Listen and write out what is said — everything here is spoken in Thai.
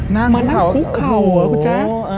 มานั่งคุกเข่าเหรอคุณแจ๊ค